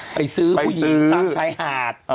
ไปซื้อผู้หญิงตามชายหาด